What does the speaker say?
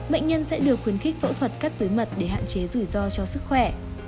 bệnh nhân sẽ được khuyến khích phẫu thuật cắt túi mật để hạn chế rủi ro cho sức khỏe